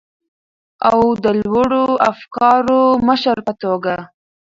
او د لوړو افکارو مشر په توګه،